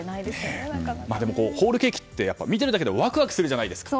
ホールケーキって見てるだけでワクワクするじゃないですか。